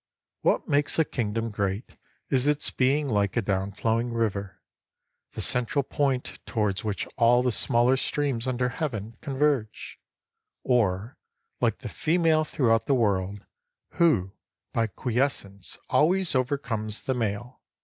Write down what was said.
What makes a kingdom great is its being like a down flowing river, — the central point towards which all the smaller streams under Heaven con verge ; or like the female throughout the world, who by quiescence always overcomes the male.